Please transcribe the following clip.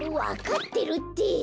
わかってるって！